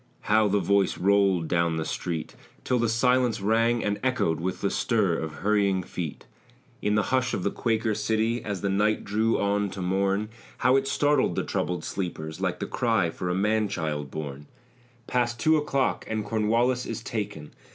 How the voice rolled down the street Till the silence rang and echoed With the stir of hurrying feet! In the hush of the Quaker city, As the night drew on to morn, How it startled the troubled sleepers, Like the cry for a man child born! "Past two o'clock and Cornwallis is taken."